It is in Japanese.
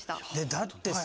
だってさ